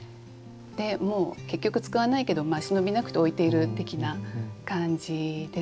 もう結局使わないけど忍びなくて置いている的な感じですね。